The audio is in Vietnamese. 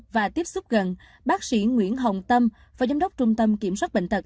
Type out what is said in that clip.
và tiếp xúc gần bác sĩ nguyễn hồng tâm phó giám đốc trung tâm kiểm soát bệnh tật